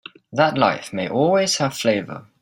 That life may always have flavor.